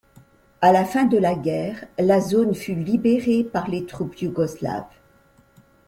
À la fin de la guerre, la zone fut libérée par les troupes yougoslaves.